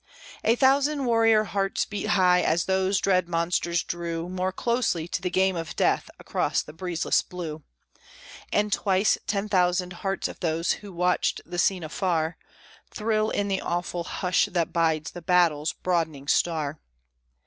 A thousand warrior hearts beat high as those dread monsters drew More closely to the game of death across the breezeless blue, And twice ten thousand hearts of those who watch the scene afar, Thrill in the awful hush that bides the battle's broadening star.